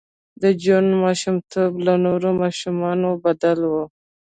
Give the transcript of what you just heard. د جون ماشومتوب له نورو ماشومانو بدل و